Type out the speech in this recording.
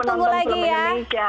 terima kasih penonton film indonesia